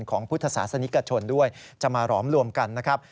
ของพุทธศาสนิกชนด้วยจะมาหลอมรวมกันนะครับ